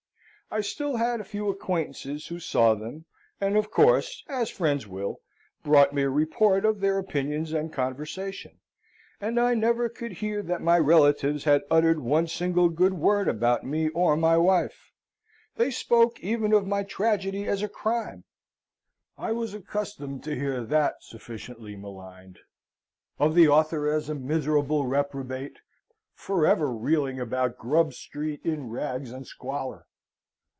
I still had a few acquaintances who saw them, and of course (as friends will) brought me a report of their opinions and conversation; and I never could hear that my relatives had uttered one single good word about me or my wife. They spoke even of my tragedy as a crime I was accustomed to hear that sufficiently maligned of the author as a miserable reprobate, for ever reeling about Grub Street, in rags and squalor.